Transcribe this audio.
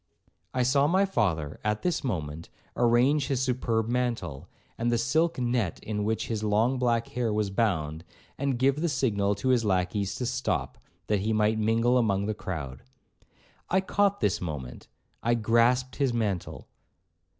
I saw my father, at this moment, arrange his superb mantle, and the silk net in which his long black hair was bound, and give the signal to his lacqueys to stop, that he might mingle among the crowd. I caught this moment,—I grasped his mantle.